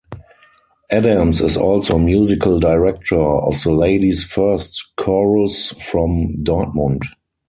Adams is also musical director of the Ladies First chorus from Dortmund.